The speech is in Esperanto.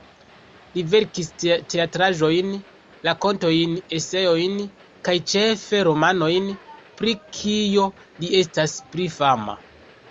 Li verkis teatraĵojn, rakontojn, eseojn kaj ĉefe romanojn, pri kio li estas pli fama.